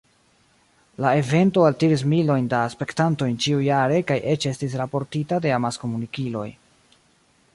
La evento altiris milojn da spektantoj ĉiujare kaj eĉ estis raportita de amaskomunikiloj.